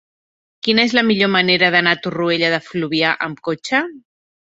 Quina és la millor manera d'anar a Torroella de Fluvià amb cotxe?